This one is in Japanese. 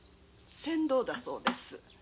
船頭だそうです。